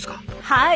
はい。